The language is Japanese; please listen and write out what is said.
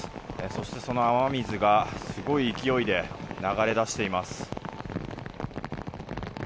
そして、その雨水がすごい勢いで流れ出しています。